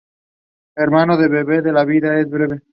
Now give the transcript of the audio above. Hermano, bebe, que la vida es breve